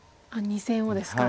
２線をですか。